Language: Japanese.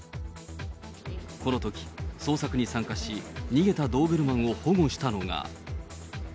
このとき、捜索に参加し、逃げたドーベルマンを保護したのが。